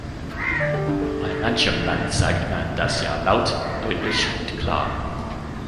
Bei manchem Land sagt man das Ja laut, deutlich und klar.